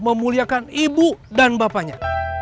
memuliakan ibu dan bapanya